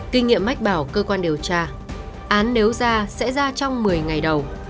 kinh nghiệm mách bảo cơ quan điều tra án nếu ra sẽ ra trong một mươi ngày đầu